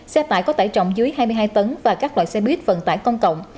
xe tải có tải trọng dưới hai mươi hai tấn và các loại xe buýt vận tải công cộng